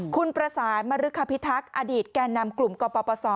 คุณประสานมริคพิทักษ์อดีตแก่นำกลุ่มกปศ